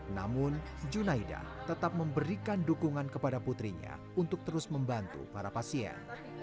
namun junaida tetap memberikan dukungan kepada putrinya untuk terus membantu para pasien